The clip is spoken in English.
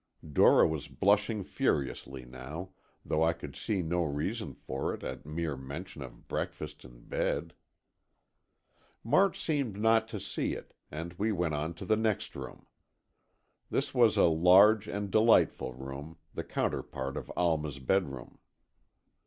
Dora was blushing furiously now, though I could see no reason for it at mere mention of breakfast in bed. March seemed not to see it, and went on to the next room. This was a large and delightful room, the counterpart of Alma's bedroom.